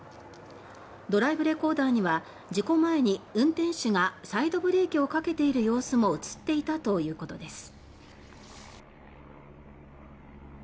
ドライブレコーダーには事故前に運転手がサイドブレーキをかけている様子も映っていたということです。